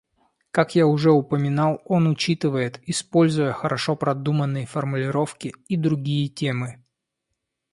Как я уже упоминал, он учитывает, используя хорошо продуманные формулировки, и другие темы.